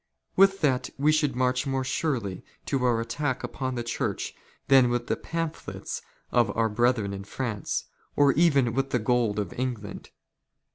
With that we should march more " surely to the attack upon the Church than with the pamphlets *• of our brethren in France, or even with the gold of England.